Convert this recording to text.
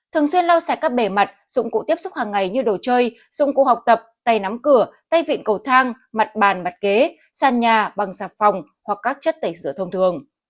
thường xuyên lau sạc các bề mặt dụng cụ tiếp xúc hàng ngày như đồ chơi dụng cụ học tập tay nắm cửa tay viện cầu thang mặt bàn mặt kế sàn nhà bằng sạp phòng hoặc các chất tẩy rửa thông thường